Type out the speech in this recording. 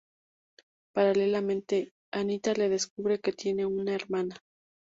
Paralelamente, Anita descubre que tiene una hermana.